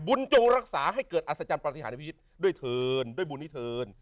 จงรักษาให้เกิดอัศจรรย์ปฏิหารในพิชิตด้วยเทินด้วยบุญนิเทิน